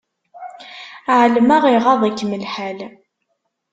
Ԑelmeɣ iɣaḍ-ikem lḥal.